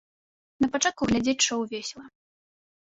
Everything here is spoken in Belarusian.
На пачатку глядзець шоў весела.